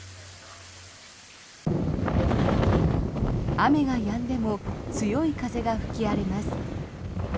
雨がやんでも強い風が吹き荒れます。